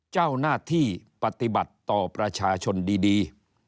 เจ้าหน้าที่ปฏิบัติต่อประชาชนดี